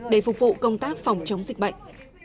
để phục vụ công tác phòng chống dịch bệnh